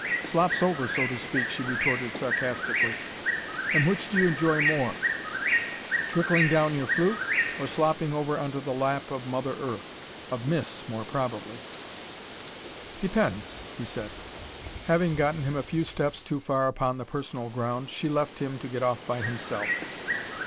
"Slops over, so to speak," she retorted sarcastically. "And which do you enjoy more, trickling down your flute or slopping over on to the lap of Mother Earth of Miss, more probably!" "Depends," he said. Having got him a few steps too far upon the personal ground, she left him to get off by himself.